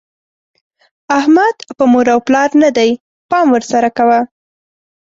احمد په مور او پلار نه دی؛ پام ور سره کوه.